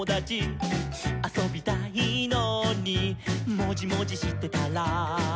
「あそびたいのにもじもじしてたら」